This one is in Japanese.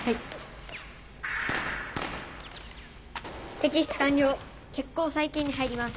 摘出完了血行再建に入ります。